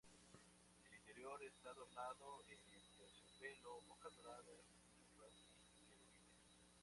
El interior está adornado en terciopelo, hojas doradas, ninfas y querubines.